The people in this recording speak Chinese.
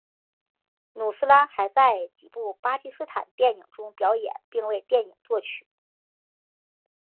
努斯拉还在几部巴基斯坦电影中表演并为电影作曲。